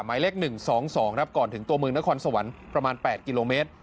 หมายเลข๑๒๒ครับก่อนถึงตัวเมืองนครสวรรค์ประมาณ๘กิโลเมตร